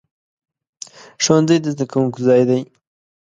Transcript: ښوونځی د زده کوونکو ځای دی.